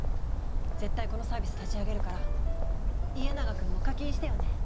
絶対このサービス立ち上げるから家長くんも課金してよね。